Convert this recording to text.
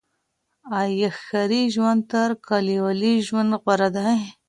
آيا ښاري ژوند تر کليوالي ژوند غوره دی؟